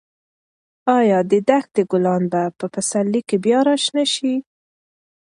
ایا د دښتې ګلان به په پسرلي کې بیا راشنه شي؟